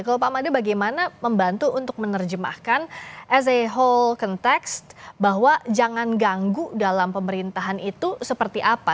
kalau pak made bagaimana membantu untuk menerjemahkan as a whole konteks bahwa jangan ganggu dalam pemerintahan itu seperti apa